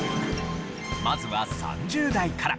まずは３０代から。